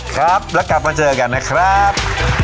ครับแล้วกลับมาเจอกันนะครับ